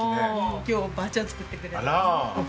今日ばあちゃん作ってくれたの。